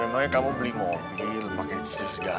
aduh memangnya kamu beli mobil pakai cicil segala